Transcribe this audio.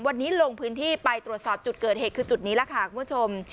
วันนี้ลงพื้นที่ไปตรวจสอบจุดเกิดเหตุคือจุดนี้ล่ะค่ะคุณผู้ชม